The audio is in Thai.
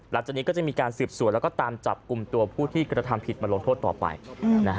หลังจากนี้ก็จะมีการสืบสวนแล้วก็ตามจับกลุ่มตัวผู้ที่กระทำผิดมาลงโทษต่อไปนะฮะ